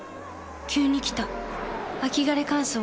急に来た秋枯れ乾燥。